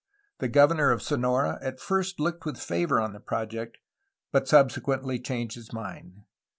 The governor of Sonora at first looked with favor on the project, but sub sequently changed his mind.